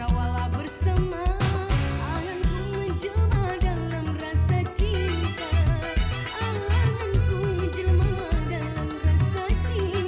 waalaikumussalam warahmatullahi wabarakatuh